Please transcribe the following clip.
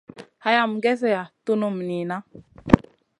Hayam gezeya tunum niyna.